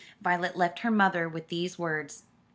Violet left her mother with these words.